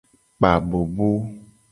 Kpa abobo.